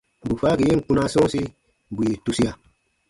Bù faagi yen kpunaa sɔ̃ɔsi, bù yè tusia.